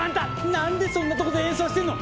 なんでそんなとこで演奏してんの！